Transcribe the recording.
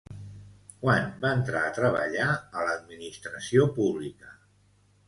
Quan va entrar a treballar a l'administració pública?